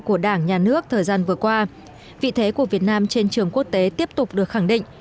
của đảng nhà nước thời gian vừa qua vị thế của việt nam trên trường quốc tế tiếp tục được khẳng định